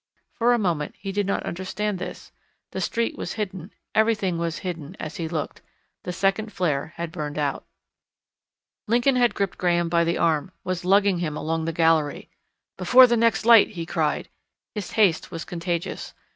For a moment he did not understand this. The street was hidden, everything was hidden, as he looked. The second flare had burned out. Lincoln had gripped Graham by the arm, was lugging him along the gallery. "Before the next light!" he cried. His haste was contagious.